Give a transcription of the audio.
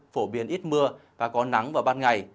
phổ biến ít mưa và có nắng vào ban ngày